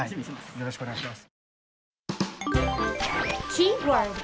よろしくお願いします。